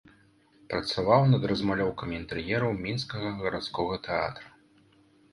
Працаваў над размалёўкамі інтэр'ераў мінскага гарадскога тэатра.